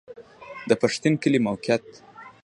د پښتین کلی موقعیت